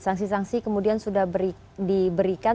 sangsi sangsi kemudian sudah diberikan